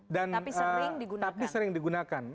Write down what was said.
tapi sering digunakan